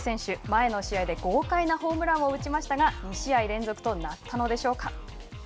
前の試合で豪快なホームランを打ちましたが２試合連続となったのでしょうか。